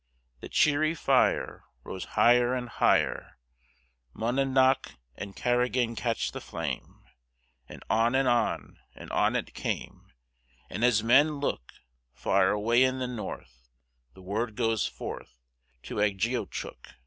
The cheery fire Rose higher and higher, Monadnock and Carrigain catch the flame, And on and on, and on it came, And as men look Far away in the north The word goes forth, To Agiochook.